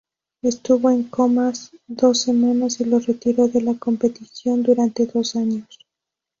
Estuvo en comas dos semanas y lo retiró de la competición durante dos años.